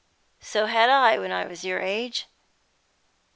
So had I when I was your age.